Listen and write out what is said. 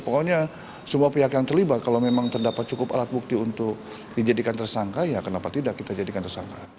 pokoknya semua pihak yang terlibat kalau memang terdapat cukup alat bukti untuk dijadikan tersangka ya kenapa tidak kita jadikan tersangka